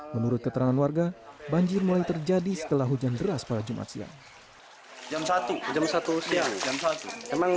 menurut keterangan warga banjir mulai terjadi setelah hujan deras pada jumat siang